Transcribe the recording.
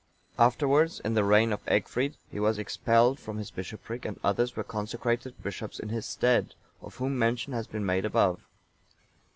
Afterwards, in the reign of Egfrid, he was expelled from his bishopric, and others were consecrated bishops in his stead, of whom mention has been made above.